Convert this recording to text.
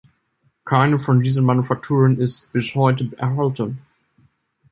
Keine von diesen Manufakturen ist bis heute erhalten.